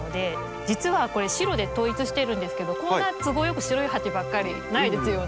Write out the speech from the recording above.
実はこれ白で統一してるんですけどこんな都合よく白い鉢ばっかりないですよね。